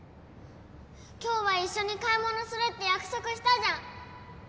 今日は一緒に買い物するって約束したじゃん！